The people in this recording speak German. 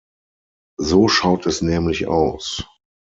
So schaut es nämlich aus.